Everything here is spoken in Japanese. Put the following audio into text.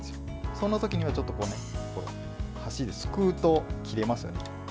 そんな時にはちょっと箸ですくうと切れますよね。